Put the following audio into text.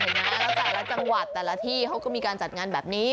แล้วแต่ละจังหวัดแต่ละที่เขาก็มีการจัดงานแบบนี้